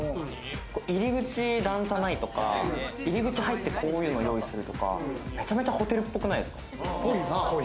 入り口に段差がないとか、入り口入って、こういうのを用意するとか、めちゃめちゃホテルっぽくないですか？